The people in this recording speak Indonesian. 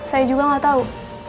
saya juga gak tau